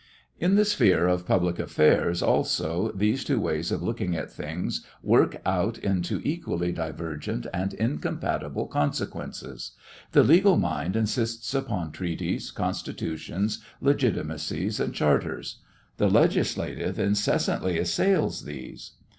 In the sphere of public affairs also these two ways of looking at things work out into equally divergent and incompatible consequences. The legal mind insists upon treaties, constitutions, legitimacies, and charters; the legislative incessantly assails these.